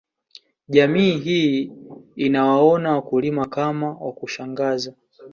Jamii hii inawaona wakulima kama wa kushangaza